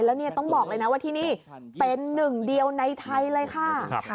แล้วเนี่ยต้องบอกเลยนะว่าที่นี่เป็นหนึ่งเดียวในไทยเลยค่ะ